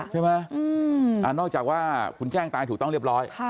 ใช่ไหมนอกจากว่าคุณแจ้งตายถูกต้องเรียบร้อย